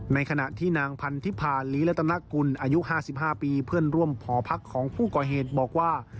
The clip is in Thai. ในขณะที่นางพันธิพาลีรัตนากุลอายุ๕๕ปีเพื่อนร่วมหอพักของผู้ก่อเหตุบอกว่า